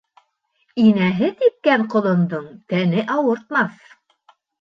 Инәһе типкән ҡолондоң тәне ауыртмаҫ.